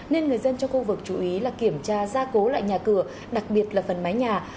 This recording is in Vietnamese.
nên người dân trong khu vực chú ý là kiểm tra gia cố lại nhà cửa đặc biệt là phần mái nhà